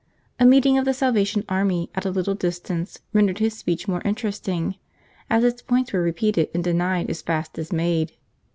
A meeting of the Salvation Army at a little distance rendered his speech more interesting, as its points were repeated and denied as fast as made.